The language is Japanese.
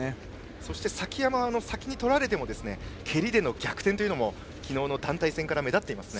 そして崎山は先に取られても蹴りでの逆転というのも昨日の団体戦から目立っています。